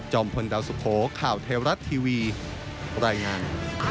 พลดาวสุโขข่าวเทวรัฐทีวีรายงาน